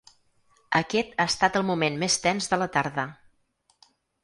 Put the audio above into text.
Aquest ha estat el moment més tens de la tarda.